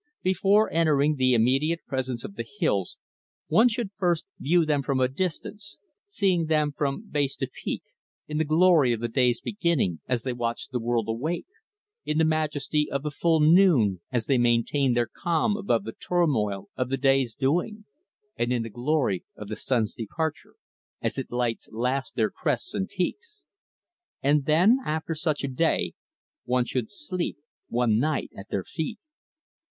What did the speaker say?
Before entering the immediate presence of the hills, one should first view them from a distance, seeing them from base to peak in the glory of the day's beginning, as they watch the world awake; in the majesty of full noon, as they maintain their calm above the turmoil of the day's doing; and in the glory of the sun's departure, as it lights last their crests and peaks. And then, after such a day, one should sleep, one night, at their feet."